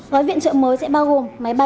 gói viện trợ mới sẽ bao gồm máy bay